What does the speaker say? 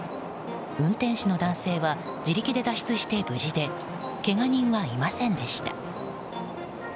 運転手の男性は自力で脱出して無事でけが人はいませんでした。